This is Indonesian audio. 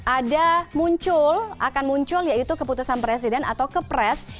ada muncul akan muncul yaitu keputusan presiden atau kepres